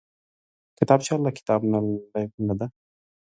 کتابچه له کتاب نه لږ نه ده